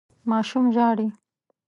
ماشوم ژاړي.